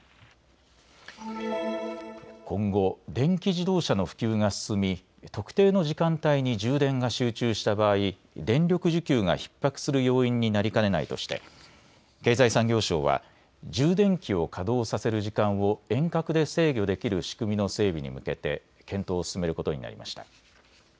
今後、電気自動車の普及が進み特定の時間帯に充電が集中した場合、電力需給がひっ迫する要因になりかねないとして経済産業省は充電器を稼働させる時間を遠隔で制御できる仕組みの整備に向けて検討を進めることになりました。